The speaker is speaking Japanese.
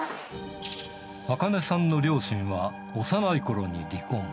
アカネさんの両親は幼いころに離婚。